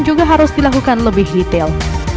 juga harus dilakukan lebih detail